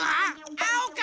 あおか？